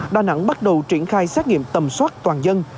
đà nẵng bắt đầu triển khai xét nghiệm tầm soát toàn dân